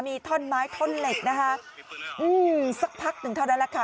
มีท่อนไม้ท่อนเหล็กนะคะอืมสักพักหนึ่งเท่านั้นแหละค่ะ